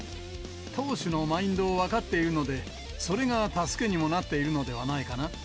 投手のマインドを分かっているので、それが助けにもなっているのではないかな。